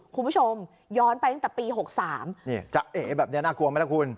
คุณผู้ชมย้อนไปตั้งแต่ปี๖๓นี่จะเอแบบนี้น่ากลัวไหมล่ะคุณ